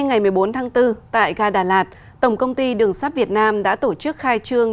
ngày một mươi bốn tháng bốn tại ga đà lạt tổng công ty đường sắt việt nam đã tổ chức khai trương